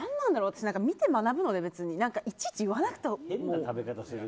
見て学ぶのでいちいち言わなくても。